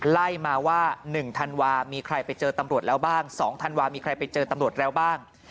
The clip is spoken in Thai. ไล่มาว่า๑ธันวามีใครไปเจอตำรวจแล้วบ้าง๒ธันวามีใครไปเจอตำรวจแล้วบ้าง